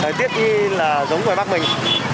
đời tiết như là giống ngoài bắc mình